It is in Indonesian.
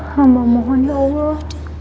hamba mohon ya allah